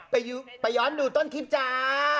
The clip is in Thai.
ไปย้อนดูต้นคลิปจ้า